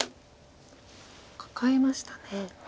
カカえましたね。